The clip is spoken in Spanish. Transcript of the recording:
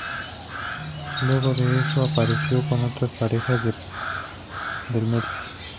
Luego de eso, apareció con otras parejas del medio.